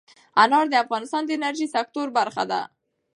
انار د افغانستان د انرژۍ سکتور برخه ده.